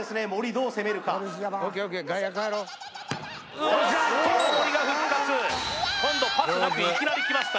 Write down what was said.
どう攻めるかおっと森が復活今度パスなくいきなりきました